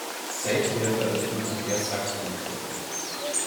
Seither veröffentlicht er Sachbücher.